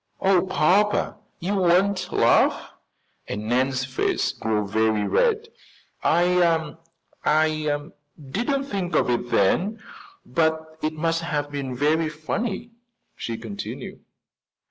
"Oh, papa, you won't laugh?" and Nan's face grew very red. "I I didn't think of it then, but it must have been very funny," she continued.